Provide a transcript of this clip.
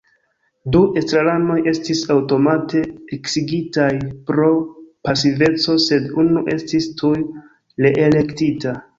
Du estraranoj estis aŭtomate eksigitaj pro pasiveco, sed unu estis tuj reelektita.